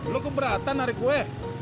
lo keberatan hari kue